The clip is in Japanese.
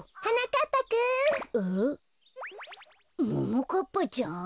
ももかっぱちゃん？